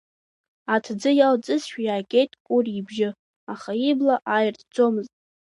Аҭӡы иалҵызшәа иаагеит Кәыри ибжьы, аха ибла ааиртӡомызт.